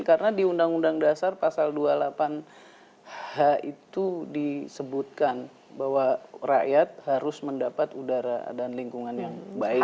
karena di undang undang dasar pasal dua puluh delapan itu disebutkan bahwa rakyat harus mendapat udara dan lingkungan yang baik